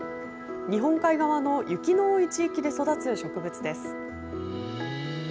日本海側の雪の多い地域で育つ植物です。